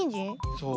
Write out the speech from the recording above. そう。